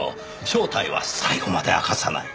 正体は最後まで明かさない。